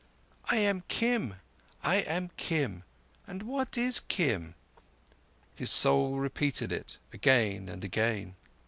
"I am Kim. I am Kim. And what is Kim?" His soul repeated it again and again.